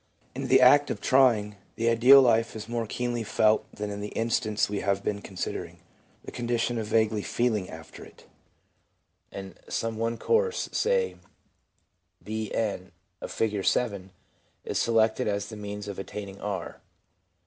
In the act of trying, the ideal life is more keenly felt than in the instance we have been considering — the condition of vaguely feeling after it ; and some one course, say Bn of Figure 7, is selected as the means of attaining r.